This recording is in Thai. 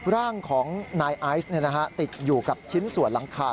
ร่างของนายไอซ์ติดอยู่กับชิ้นส่วนหลังคา